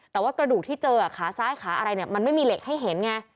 แต่ว่ากระดูกที่เจอขาซ้ายขาอะไรเนี่ยมันไม่มีเหล็กให้เห็นไง